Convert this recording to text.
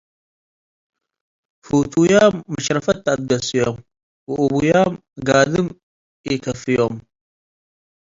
ፉቱያም መሽረፈት ተአትገስ'ዮም፡ ወኡቡያም ጋድም ኢከፍዮም።”